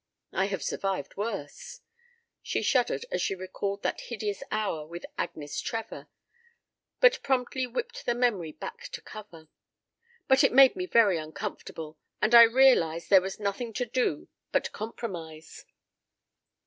I have survived worse " She shuddered as she recalled that hideous hour with Agnes Trevor, but promptly whipped the memory back to cover. "But it made me very uncomfortable, and I realized there was nothing to do but compromise.